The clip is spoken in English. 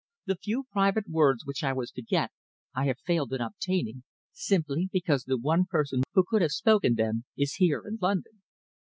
The few private words which I was to get I have failed in obtaining, simply because the one person who could have spoken them is here in London."